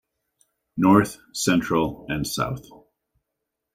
North, Central and South.